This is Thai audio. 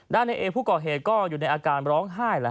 ในเอผู้ก่อเหตุก็อยู่ในอาการร้องไห้